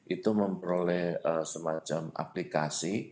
itu memperoleh semacam aplikasi